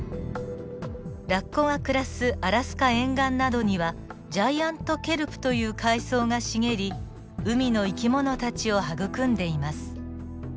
ラッコが暮らすアラスカ沿岸などにはジャイアントケルプという海藻が茂り海の生き物たちを育んでいます。